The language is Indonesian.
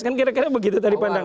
kan kira kira begitu tadi pandangan